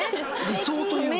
理想というか。